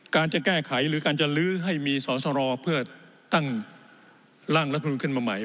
การจะแก้ไขหรือการจะลื้อให้มีสอสรเพื่อตั้งร่างรัฐมนุนขึ้นมาใหม่